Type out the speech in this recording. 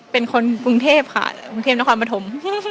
เป็นคนกรุงเทพค่ะกรุงเทพนครปฐม